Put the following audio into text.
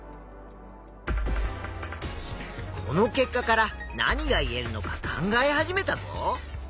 この結果から何がいえるのか考え始めたぞ。